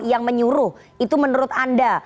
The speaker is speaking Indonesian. yang menyuruh itu menurut anda